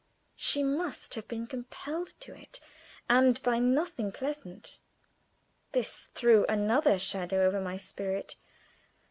She must have been compelled to it and by nothing pleasant. This threw another shadow over my spirit.